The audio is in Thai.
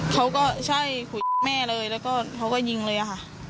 เขาก็ใช่คุยกับแม่เลยแล้วก็เขาก็ยิงเลยค่ะ